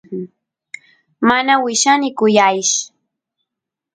mana willani kuyaysh